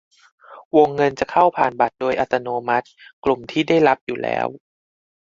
วงเงินจะเข้าผ่านบัตรโดยอัตโนมัติ กลุ่มที่ได้รับอยู่แล้ว